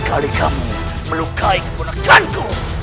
kalian tidak bisa melukai hubunganku bahwa ayo